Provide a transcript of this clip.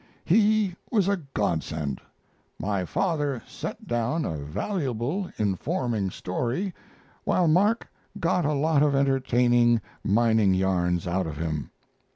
He was a godsend. My father set down a valuable, informing story, while Mark got a lot of entertaining mining yarns out of him.